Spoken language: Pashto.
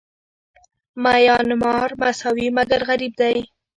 میانمار مساوي مګر غریب دی.